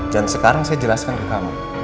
dan sekarang saya jelaskan ke kamu